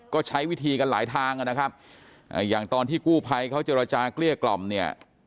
ก็ใช้วิธีกันหลายทางนะครับอย่างตอนที่กู้ภัยเขาเจรจาเกลี้ยกล่อมเนี่ย